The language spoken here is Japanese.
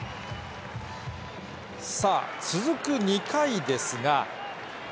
さあ、続く２回ですが。